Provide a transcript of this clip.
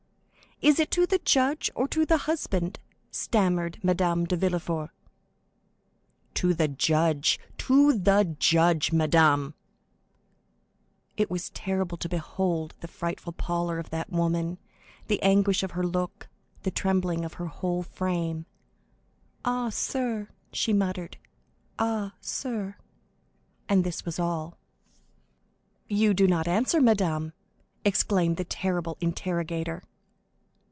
"Is it to the judge or to the husband?" stammered Madame de Villefort. "To the judge—to the judge, madame!" It was terrible to behold the frightful pallor of that woman, the anguish of her look, the trembling of her whole frame. "Ah, sir," she muttered, "ah, sir," and this was all. "You do not answer, madame!" exclaimed the terrible interrogator.